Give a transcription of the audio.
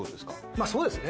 まあそうですね。